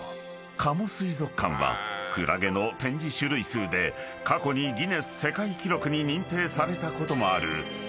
加茂水族館はクラゲの展示種類数で過去にギネス世界記録に認定されたこともある］